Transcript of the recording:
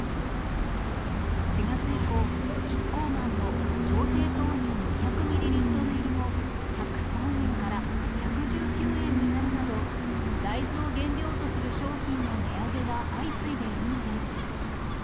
４月以降、キッコーマンの調整豆乳２００ミリリットル入りも、１０３円から１１９円になるなど、大豆を原料とする商品の値上げが相次いでいるのです。